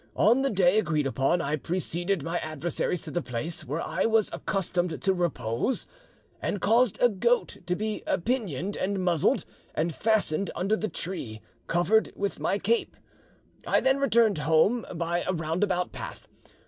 On the day agreed upon, I preceded my adversaries to the place where I was accustomed to repose, and caused a goat to be pinioned and muzzled, and fastened under the tree, covered with my cape; I then returned home by a roundabout path.